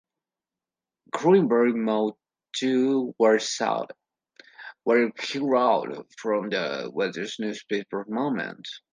Greenberg moved to Warsaw, where he wrote for the Yiddish newspaper "Moment".